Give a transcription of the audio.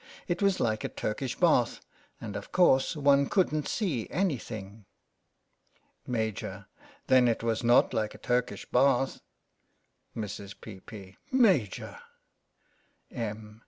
It was like a Turkish bath. And, of course, one couldn't see anything. Maj\ : Then it was not like a Turkish bath. Mrs, P,'P. : Major 1 Em.